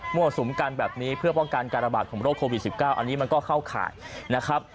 สุมกันแบบนี้เพื่อป้องกันการระบาดของโรคโควิด๑๙อันนี้มันก็เข้าข่ายนะครับ